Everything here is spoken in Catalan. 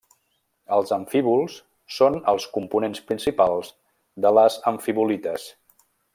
Els amfíbols són els components principals de les amfibolites.